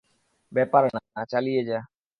ব্যাপার না, চালিয়ে যা।